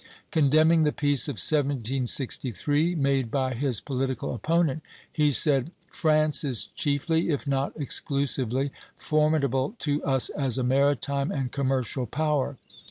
Condemning the Peace of 1763, made by his political opponent, he said: "France is chiefly, if not exclusively, formidable to us as a maritime and commercial power.